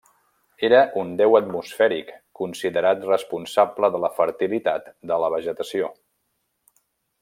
Era un déu atmosfèric considerat responsable de la fertilitat de la vegetació.